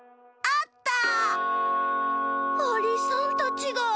アリさんたちが。